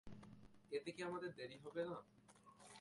এতে কি আমাদের দেরী হবে না?